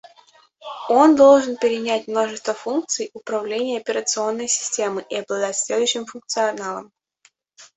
Он должен перенять множество функций управления операционной системы и обладать следующим функционалом